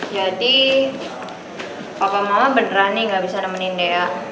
jadi papa mama beneran nih gak bisa nemenin dea